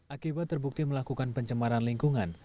akibat terbukti melakukan pencemaran lingkungan